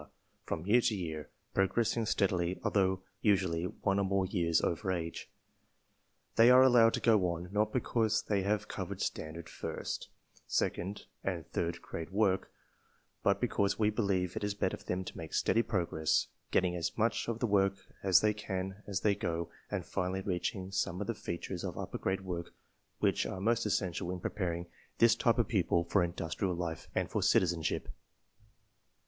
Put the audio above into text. from year to year, progressing stead ily although usually one or more years over age. They are allowed to go on, not because they have covered standard first, second, and third grade work, but be cause we believe it is better for them to make steady 40 TESTS AND SCHOOL REORGANIZATION progress, getting as much of the work as they can as they go and finally reaching some of the features of upper grade work which are most essential in preparing this type of pupil for industrial life and for citizenship.